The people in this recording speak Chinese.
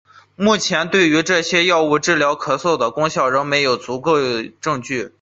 目前对于这些药物治疗咳嗽的功效仍没有足够证据。